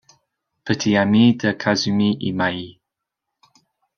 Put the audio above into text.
Petit ami de Kazumi Imaï.